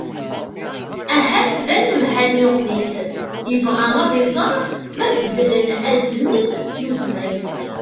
ahat d anemhal n uɣmis yebɣa ad iẓer ma beddlen azemz n uzmaz